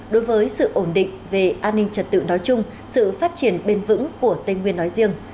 đối với sự ổn định về an ninh trật tự nói chung sự phát triển bền vững của tây nguyên nói riêng